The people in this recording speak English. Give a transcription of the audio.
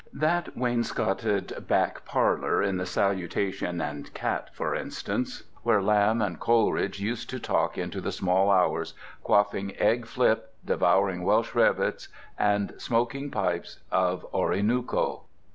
That wainscoted back parlour at the Salutation and Cat, for instance, where Lamb and Coleridge used to talk into the small hours "quaffing egg flip, devouring Welsh rabbits, and smoking pipes of Orinooko."